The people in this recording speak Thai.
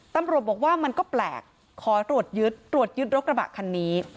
ตำรวจบอกว่ามันก็แปลกขอตรวจยึดตรวจยึดรถกระบะคันนี้